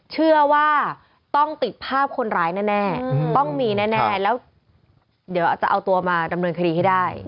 เชื่อว่าต้องติดภาพคนร้ายแน่ต้องมีแน่แล้วเดี๋ยวอาจจะเอาตัวมาดำเนินคดีให้ได้